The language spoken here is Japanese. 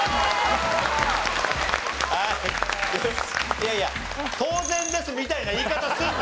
いやいや「当然です」みたいな言い方すんな。